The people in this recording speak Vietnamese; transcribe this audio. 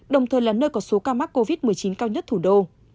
đồng thời là nơi có số ca mắc covid một mươi chín cao nhất thủ đô